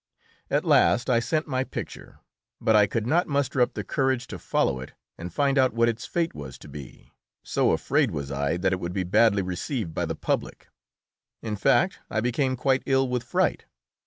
At last I sent my picture, but I could not muster up the courage to follow it and find out what its fate was to be, so afraid was I that it would be badly received by the public. In fact, I became quite ill with fright.